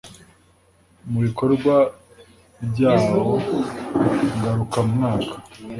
Mu bikorwa byawo ngarukamwaka